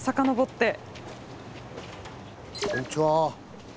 こんにちは。